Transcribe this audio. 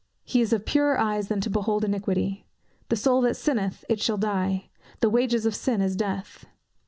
"He is of purer eyes than to behold iniquity." "The soul that sinneth, it shall die." "The wages of sin is death."